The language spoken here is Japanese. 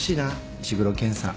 石黒賢さん。